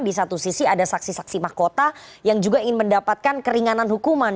di satu sisi ada saksi saksi mahkota yang juga ingin mendapatkan keringanan hukuman